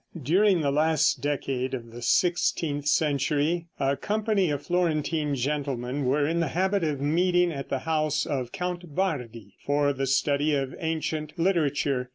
During the last decade of the sixteenth century a company of Florentine gentlemen were in the habit of meeting at the house of Count Bardi for the study of ancient literature.